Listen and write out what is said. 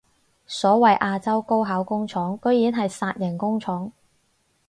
所謂亞洲高考工廠居然係殺人工廠